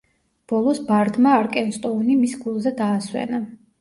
ბოლოს ბარდმა არკენსტოუნი მის გულზე დაასვენა.